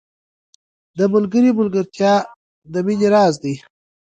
• د ملګري ملګرتیا د مینې راز دی.